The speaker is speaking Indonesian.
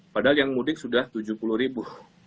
padahal yang mudik sudah tujuh puluh ribu